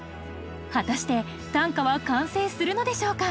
果たして短歌は完成するのでしょうか？